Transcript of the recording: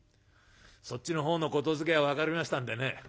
そっちのほうの言づけは分かりましたんでね